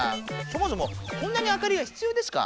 そもそもこんなに明かりがひつようですか？